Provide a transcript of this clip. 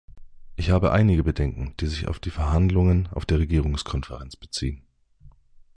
Ich habe einige Bedenken, die sich auf die Verhandlungen auf der Regierungskonferenz beziehen.